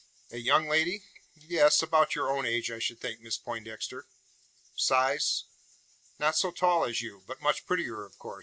"A young lady?" "Yes. About your own age, I should think, Miss Poindexter." "Size?" "Not so tall as you." "But much prettier, of course?